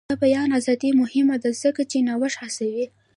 د بیان ازادي مهمه ده ځکه چې نوښت هڅوي.